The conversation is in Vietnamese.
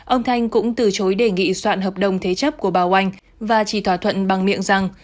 ông thanh cũng từ chối đề nghị soạn hợp đồng thế chấp của báo oanh và chỉ thỏa thuận bằng miệng rằng